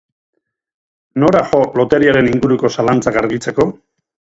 Nora jo loteriaren inguruko zalantzak argitzeko?